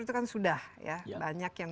itu kan sudah ya banyak yang